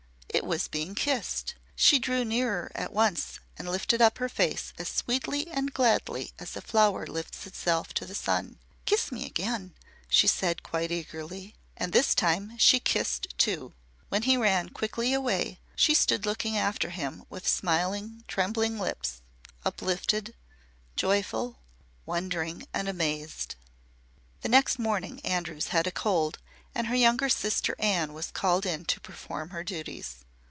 It was being kissed. She drew nearer at once and lifted up her face as sweetly and gladly as a flower lifts itself to the sun. "Kiss me again," she said, quite eagerly. And this time, she kissed too. When he ran quickly away, she stood looking after him with smiling, trembling lips, uplifted, joyful wondering and amazed. The next morning Andrews had a cold and her younger sister Anne was called in to perform her duties.